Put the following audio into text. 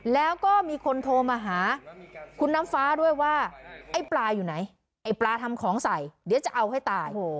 แล้วก็มีคนโทรมาหาคุณน้ำฟ้าด้วยว่าไอ้ปลาอยู่ไหนไอ้ปลาทำของใส่เดี๋ยวจะเอาให้ตาย